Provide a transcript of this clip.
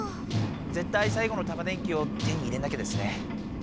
ぜったいさい後のタマ電Ｑを手に入れなきゃですね。